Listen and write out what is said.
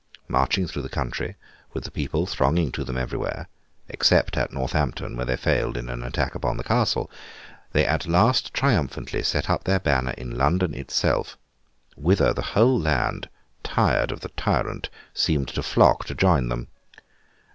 Marching through the country, with the people thronging to them everywhere (except at Northampton, where they failed in an attack upon the castle), they at last triumphantly set up their banner in London itself, whither the whole land, tired of the tyrant, seemed to flock to join them.